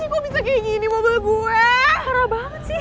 parah banget sih